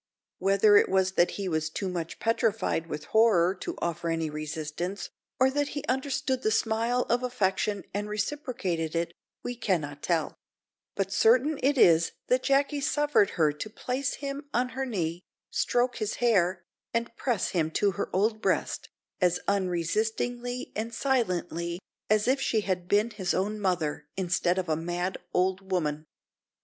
Whether it was that he was too much petrified with horror to offer any resistance, or that he understood the smile of affection and reciprocated it, we cannot tell; but certain it is that Jacky suffered her to place him on her knee, stroke his hair, and press him to her old breast, as unresistingly and silently as if she had been his own mother, instead of a mad old woman.